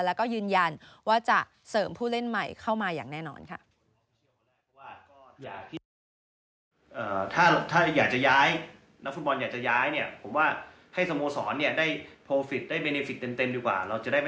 แล้วก็ยืนยันว่าจะเสริมผู้เล่นใหม่เข้ามาอย่างแน่นอนค่ะ